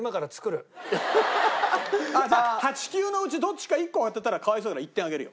じゃあ８９のうちどっちか１個当てたらかわいそうだから１点あげるよ。